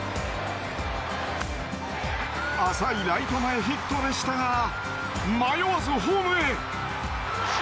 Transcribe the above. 浅いライト前ヒットでしたが迷わずホームへ。